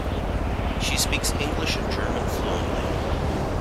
She speaks English and German fluently.